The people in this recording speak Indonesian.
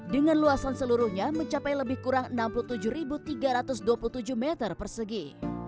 dengan luasan seluruhnya mencapai lebih kurang enam puluh tujuh tiga ratus dua puluh tujuh meter persegi